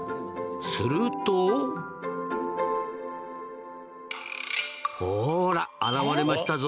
するとほら現れましたぞ。